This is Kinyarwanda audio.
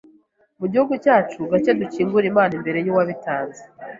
Mu gihugu cyacu gake dukingura impano imbere yuwabitanze.